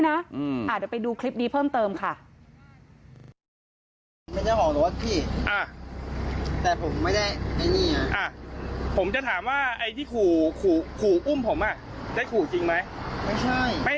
ผมจะถามว่าใครที่ขู่บุ้มผมจริงที่ขู่จริงไหม